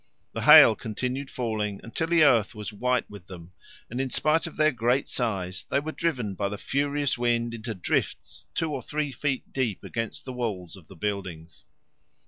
The hail continued falling until the earth was white with them, and in spite of their great size they were driven by the furious wind into drifts two or three feet deep against the walls of the buildings.